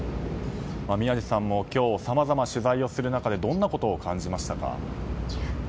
宮司さんも今日さまざま取材をする中でどんなことを感じましたか？